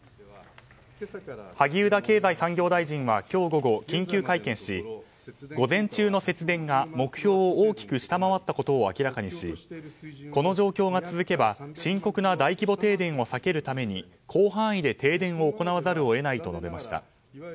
萩生田経済産業大臣は今日午後、緊急会見し午前中の節電が目標を大きく下回ったことを明らかにしこの状況が続けば深刻な大規模停電を避けるために広範囲で停電を行わざるを得ないと述べました。